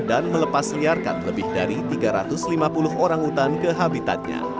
dan melepasliarkan lebih dari tiga ratus lima puluh orangutan ke habitatnya